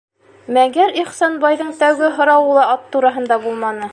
Мәгәр Ихсанбайҙың тәүге һорауы ла ат тураһында булманы: